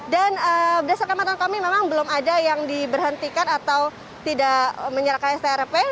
dan berdasarkan kematan kami memang belum ada yang diberhentikan atau tidak menyerahkan strp